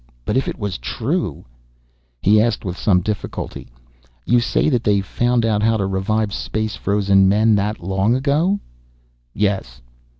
But if it was true He asked, with some difficulty, "You say that they found out how to revive space frozen men, that long ago?" "Yes."